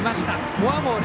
フォアボール。